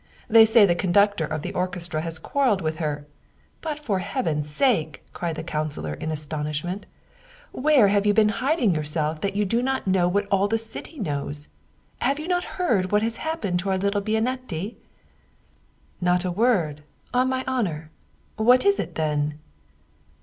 They say the conductor of the orchestra has quarreled with her "" But for heaven's sake !" cried the councilor in aston ishment, " where have you been hiding yourself that you do not know what all the city knows ? Have you not heard what has happened to our little Bianetti ?"" Not a word, on my honor. What is it, then